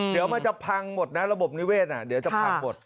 เดี๋ยวมันจะพังหมดนะระบบนิเวศเดี๋ยวจะพังหมด